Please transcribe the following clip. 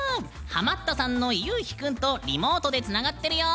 ハマったさんのゆうひ君とリモートでつながってるよ。